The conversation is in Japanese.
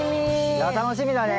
いや楽しみだね！